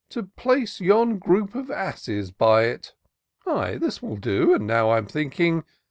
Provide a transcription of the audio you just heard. To place yon group of asses by it. Ay ! this will do : and now I'm thinking.